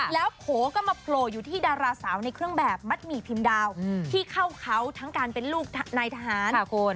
แล้วโผล่ก็มาโผล่อยู่ที่ดาราสาวในเครื่องแบบมัดหมี่พิมพ์ดาวที่เข้าเขาทั้งการเป็นลูกนายทหาร